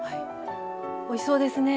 おいしそうですね。